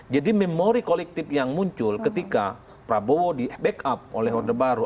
jadi memori kolektif yang muncul ketika prabowo di backup oleh orde baru